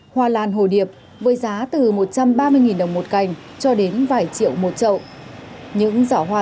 hoa lan hồ điệp với giá từ một trăm ba mươi đồng một cành cho đến vài triệu một trậu những giỏ hoa